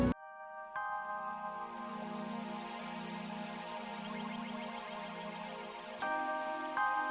ternyata aku masih belum tenang ya